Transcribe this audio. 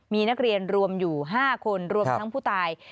มีนักเรียนรวมอยู่๕คนรวมทั้งผู้ตาย